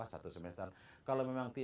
satu semester kalau memang